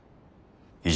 以上。